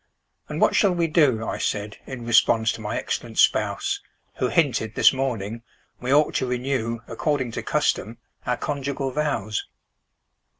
—and what shall we do?" I said in response to my excellent spouse, Who hinted, this morning, we ought to renew According to custom, our conjugal vows.